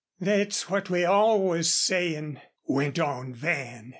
"Thet's what we all was sayin'," went on Van.